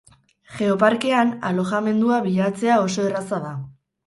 Geoparkean alojamendua bilatzea oso erraza da.